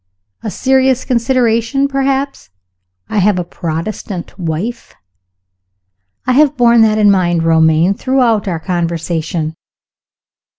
"A serious consideration, perhaps. I have a Protestant wife." "I have borne that in mind, Romayne, throughout our conversation."